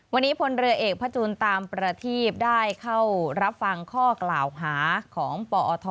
วันนี้พลเรือเอกพระจูนตามประทีบได้เข้ารับฟังข้อกล่าวหาของปอท